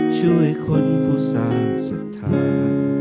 ช่วยคนผู้สร้างศรัทธา